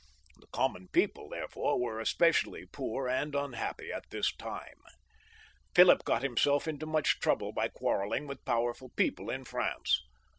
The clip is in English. The common people, therefore, were especially poor and unhappy at this time. Philip got himself into much trouble by quarrelling with powerful people in France.